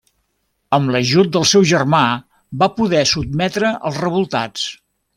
Amb l'ajut del seu germà va poder sotmetre als revoltats.